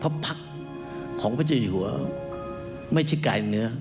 พระพรรคของพระเจ้าอยู่ว่าไม่ใช่กายเนื้อ